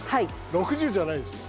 ６０じゃないですよね？